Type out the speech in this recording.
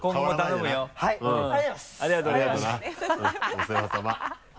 お世話さま。